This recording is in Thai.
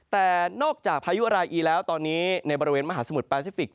แต่นอกจากพายุรายอีแล้วตอนนี้ในบริเวณมหาสมุทรแปซิฟิกส